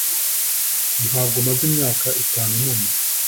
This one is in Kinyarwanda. Ntabwo maze imyaka itanu numva